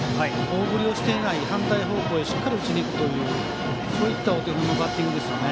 大振りをしていない反対方向へしっかり打つというそういったお手本のバッティングですよね。